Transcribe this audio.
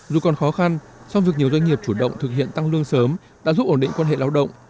dù còn khó khăn song việc nhiều doanh nghiệp chủ động thực hiện tăng lương sớm đã giúp ổn định quan hệ lao động